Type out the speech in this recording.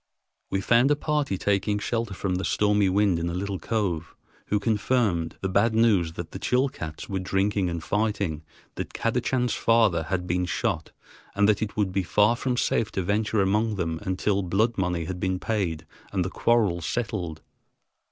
We found a party taking shelter from the stormy wind in a little cove, who confirmed the bad news that the Chilcats were drinking and fighting, that Kadachan's father had been shot, and that it would be far from safe to venture among them until blood money had been paid and the quarrels settled.